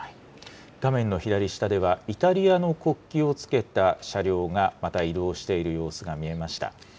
画面の左下では、イタリアの国旗をつけた車両がまた移動している様子が見えました。